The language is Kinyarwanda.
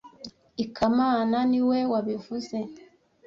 Ikamana niwe wabivuze